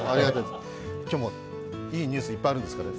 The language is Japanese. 今日もいいニュース、いっぱいあるんですから。